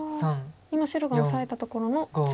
今白がオサえたところの次。